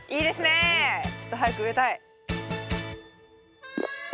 ちょっと早く植えたい。